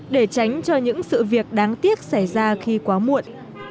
để tránh cho những sự việc đáng tiếc xảy ra khi quá muộn